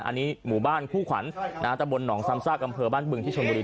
อันนี้หมู่บ้านคู่ขวัญตะบนหนองซ้ำซากอำเภอบ้านบึงที่ชนบุรี